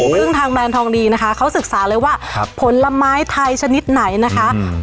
ซึ่งทางแบรนด์ทองดีนะคะเขาศึกษาเลยว่าผลไม้ไทยชนิดไหนนะคะ